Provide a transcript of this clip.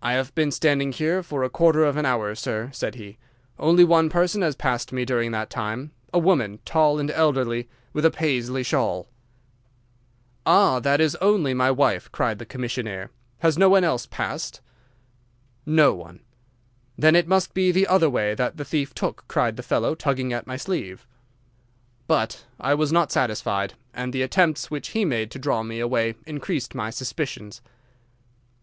"'I have been standing here for a quarter of an hour, sir,' said he; 'only one person has passed during that time—a woman, tall and elderly, with a Paisley shawl.' "'Ah, that is only my wife,' cried the commissionnaire; 'has no one else passed?' "'No one.' "'Then it must be the other way that the thief took,' cried the fellow, tugging at my sleeve. "'But I was not satisfied, and the attempts which he made to draw me away increased my suspicions.